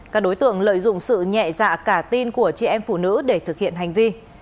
các đối tượng lợi dụng sự nhẹ dạ cả tin của chị em phụ nữ để thực hiện hành vi